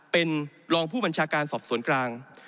เป็นรองผู้บัญชาการสอบสวนกลาง